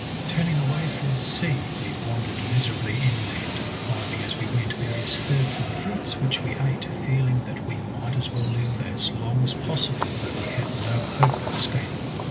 Turning away from the sea we wandered miserably inland, finding as we went various herbs and fruits which we ate, feeling that we might as well live as long as possible though we had no hope of escape.